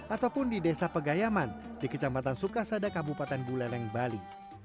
ataupun di desa pegayaman di kecamatan sukasada kabupaten buleleng bali